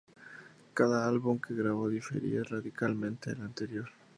Cada álbum que grabó difería radicalmente del anterior.